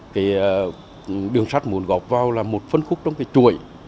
cái đường sắt muốn gọp vào là một phân khúc trong cái chuỗi